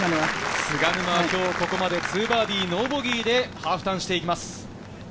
菅沼、ここまで２バーディー、ノーボギーでハーフターンしていきます。